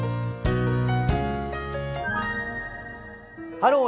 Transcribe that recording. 「ハロー！